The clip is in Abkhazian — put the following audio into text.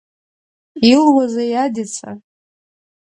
Илуазеи Адица?!